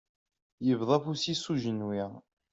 Yebḍa afus-is s ujenwi.